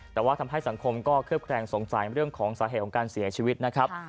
แต่ว่าทำให้สังคมก็เคลือบแคลงสงสัยเรื่องของสาเหตุของการเสียชีวิตนะครับ